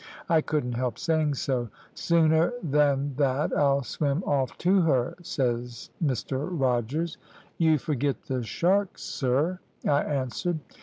I couldn't help saying so. "`Sooner than that I'll swim off to her,' says Mr Rogers. "`You forget the sharks, sir,' I answered.